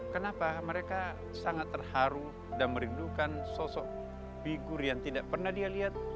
kenapa mereka sangat terharu dan merindukan sosok figur yang tidak pernah dia lihat